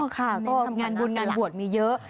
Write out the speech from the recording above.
ค่ะก็งานบุญงานบวชมีเยอะ